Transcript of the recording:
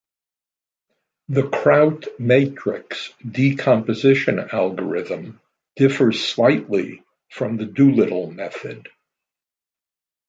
The Crout matrix decomposition algorithm differs slightly from the Doolittle method.